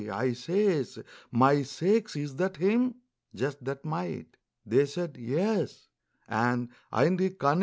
I says, "My sakes, is that him? Just that mite!" They said, "Yes," and, "Ain't he cunnin'?"